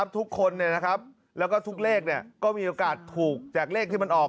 ทุกคนแล้วก็ทุกเลขก็มีโอกาสถูกจากเลขที่มันออก